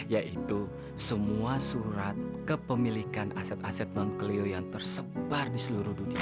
yaitu semua surat kepemilikan aset aset non kelio yang tersebar di seluruh dunia